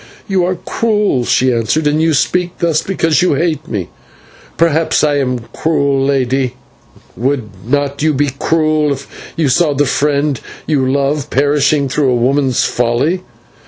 "You are cruel," she answered, "and you speak thus because you hate me." "Perhaps I am cruel, lady. Would not you be cruel if you saw the friend you love perishing through a woman's folly?"